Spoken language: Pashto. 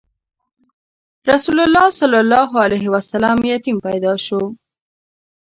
رسول الله ﷺ یتیم پیدا شو.